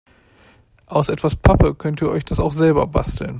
Aus etwas Pappe könnt ihr euch das auch selber basteln.